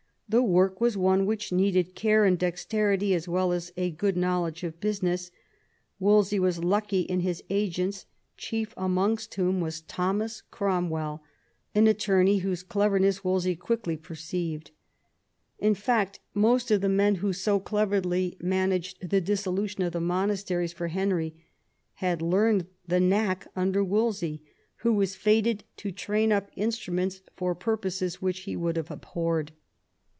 The work was one which needed care and dexterity as well as a good knowledge of business. Wolsey was lucky in his agents, chief amongst whom VIII WOLSEY'S DOMESTIC POLICY 143 was Thomas Cromwell, an attorney whose cleverness Wolsey quickly perceived. In fact most of the men who so cleverly managed the dissolution of the monasteries for Henry had learned the knack under Wolsey, who was fated to train up instruments for purposes which he would have abhorred.